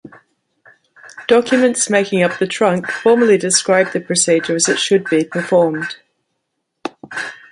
Documents making up the trunk formally describe the procedure as it should be performed.